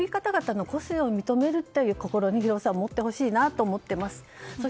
そういう方々の個性を認めるという思いを持ってほしいと思っています。